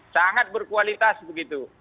sangat berkualitas begitu